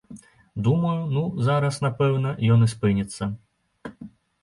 Думаю, ну, зараз, напэўна, ён і спыніцца.